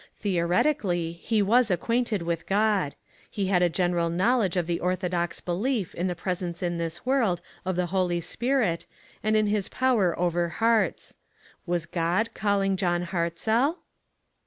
Theoretically, he was acquainted with God. He had a general knowledge of the ortho dox belief in the presence in this world of the Holy Spirit, and in his power over hearts. Was God calling John Hartzell?